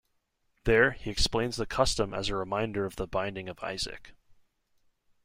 There, he explains the custom as a reminder of the binding of Isaac.